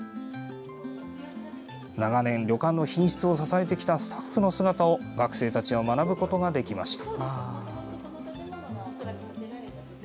長年、旅館の品質を支えてきたスタッフの姿を学生たちは学ぶことができました。